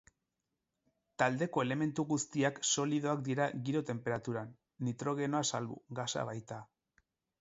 Taldeko elementu guztiak solidoak dira giro-tenperaturan, nitrogenoa salbu, gasa baita.